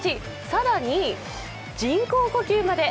更に人工呼吸まで。